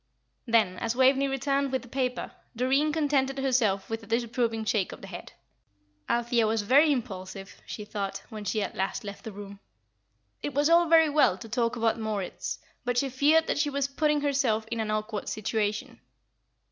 Then, as Waveney returned with the paper, Doreen contented herself with a disapproving shake of the head. Althea was very impulsive, she thought, when she at last left the room. It was all very well to talk about Moritz, but she feared that she was putting herself in an awkward situation.